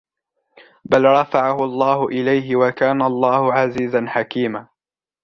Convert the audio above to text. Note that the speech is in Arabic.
بَلْ رَفَعَهُ اللَّهُ إِلَيْهِ وَكَانَ اللَّهُ عَزِيزًا حَكِيمًا